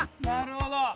なるほど。